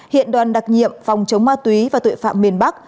hiện đoàn đặc nhiệm phòng chống ma túy và tội phạm miền bắc